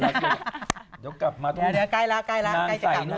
เดี๋ยวกลับมาเดี๋ยวใกล้แล้ว